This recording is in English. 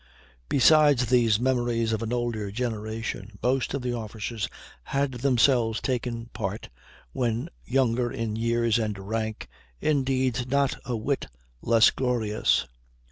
Besides these memories of an older generation, most of the officers had themselves taken part, when younger in years and rank, in deeds not a whit less glorious.